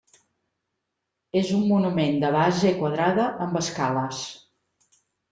És un monument de base quadrada amb escales.